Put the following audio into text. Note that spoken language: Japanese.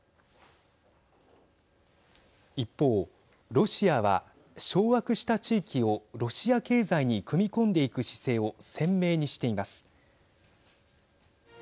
一方、ロシアは掌握した地域をロシア経済に組み込んでいく姿勢を鮮明にしています。